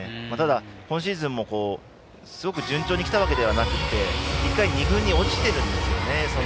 ただ今シーズンもうすごく順調にきただけではなく１回二軍に落ちていますからね。